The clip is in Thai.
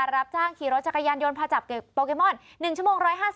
รับจ้างขี่รถจักรยานยนต์พาจับโปเกมอน๑ชั่วโมง๑๕